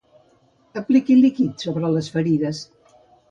Apliqui líquids sobre les ferides.